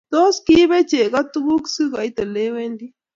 Tos, kiibe chego tuguk sergoit olewendi?